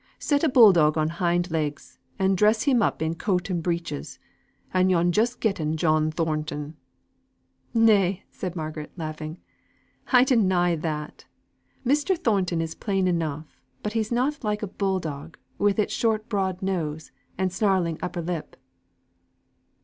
Set a bulldog on hind legs, and dress him up in coat and breeches, and yo'n just getten John Thornton." "Nay," said Margaret, laughing, "I deny that. Mr. Thornton is plain enough, but he's not like a bulldog, with its short broad nose, and snarling upper lip."